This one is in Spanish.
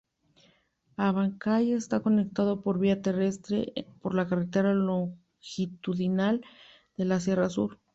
Abancay está conectado por vía terrestre por la carretera Longitudinal de la Sierra Sur.